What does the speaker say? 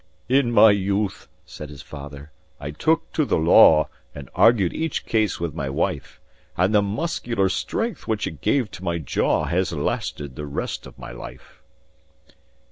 "In my youth," said his fater, "I took to the law, And argued each case with my wife; And the muscular strength, which it gave to my jaw, Has lasted the rest of my life."